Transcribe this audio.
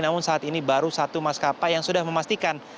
namun saat ini baru satu maskapai yang sudah memastikan